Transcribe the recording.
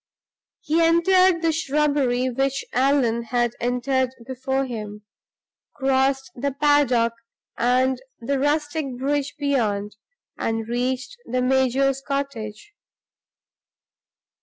He entered the shrubbery which Allan had entered before him; crossed the paddock and the rustic bridge beyond; and reached the major's cottage.